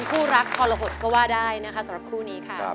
คู่รักทรหดก็ว่าได้นะคะสำหรับคู่นี้ค่ะ